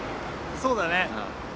そうだね。